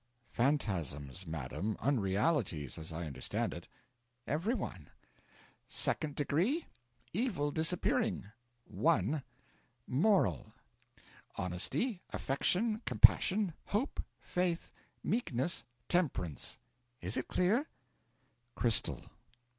'Phantasms, madam unrealities, as I understand it.' 'Every one. SECOND DEGREE: Evil Disappearing. 1. Moral Honesty, affection, compassion, hope, faith, meekness, temperance. Is it clear?' 'Crystal.'